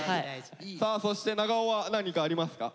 さあそして長尾は何かありますか？